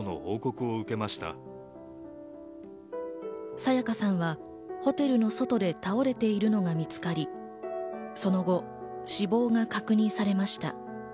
沙也加さんはホテルの外で倒れているのが見つかり、その後、死亡が確認されました。